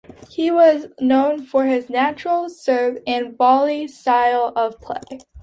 He was known for his natural serve-and-volley style of play.